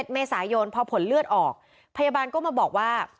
๑เมษายนพอผลเลือดออกพยาบาลก็มาบอกว่า